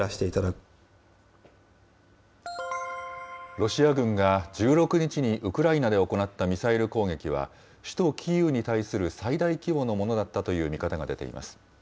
ロシア軍が１６日にウクライナで行ったミサイル攻撃は、首都キーウに対する最大規模のものだったという見方が出ています。